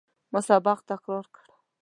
ما سبق تکرار کړ.